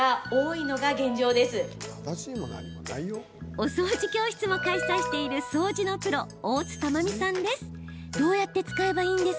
お掃除教室も開催している掃除のプロ、大津たまみさんです。